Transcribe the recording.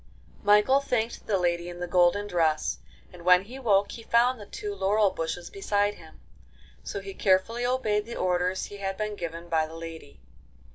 Michael thanked the lady in the golden dress, and when he woke he found the two laurel bushes beside him. So he carefully obeyed the orders he had been given by the lady.